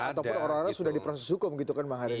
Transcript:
ataupun orang orang sudah diproses hukum gitu kan bang haris